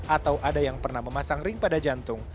atau ada yang pernah memasang ring pada jantung